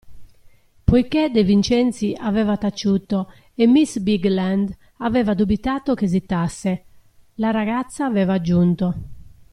Poiché De Vincenzi aveva taciuto e miss Bigland aveva dubitato che esitasse, la ragazza aveva aggiunto.